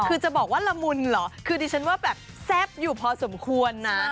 คือจะบอกว่าละมุนเหรอคือดิฉันว่าแบบแซ่บอยู่พอสมควรนะ